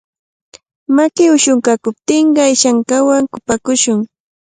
Maki ushunkaakuptinqa ishankawan kupakushun.